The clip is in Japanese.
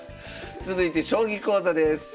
続いて将棋講座です。